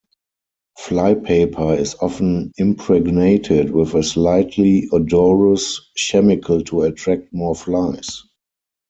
Flypaper is often impregnated with a slightly odorous chemical to attract more flies.